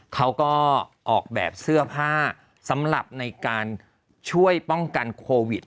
เขาก็ออกแบบเสื้อผ้าสำหรับในการช่วยป้องกันโควิด